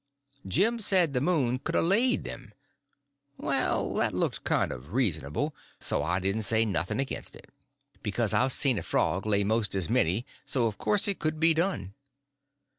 Jim said the moon could a laid them; well, that looked kind of reasonable, so I didn't say nothing against it, because I've seen a frog lay most as many, so of course it could be done.